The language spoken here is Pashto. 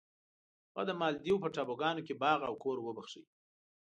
هغه د مالدیو په ټاپوګانو کې باغ او کور وبخښی.